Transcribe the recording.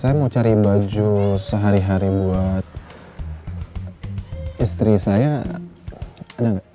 saya mau cari baju sehari hari buat istri saya ada nggak